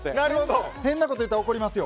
変なこと言うたら怒りますよ。